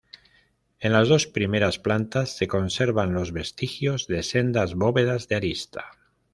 En las dos primeras plantas se conservan los vestigios de sendas bóvedas de arista.